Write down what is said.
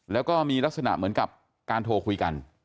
แล้วก็มีลักษณะเหมือนกับการโทรคุยกัน